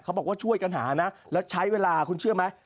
บอกว่าช่วยกันหานะแล้วใช้เวลาคุณเชื่อไหม